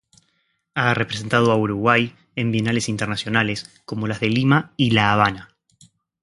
Ha representado a Uruguay en bienales internacionales, como las de Lima y La Habana.